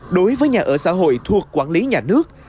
đối với nhà ở xã hội thuộc quản lý nhà nước